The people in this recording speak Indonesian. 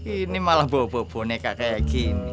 ini malah bawa bawa boneka kayak gini